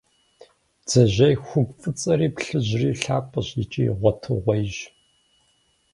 Бдзэжьей хугу фӏыцӏэри плъыжьри лъапӏэщ икӏи гъуэтыгъуейщ.